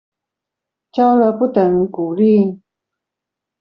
教了，不等於鼓勵